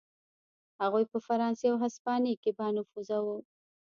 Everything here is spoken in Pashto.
هغوی په فرانسې او هسپانیې کې بانفوذه و.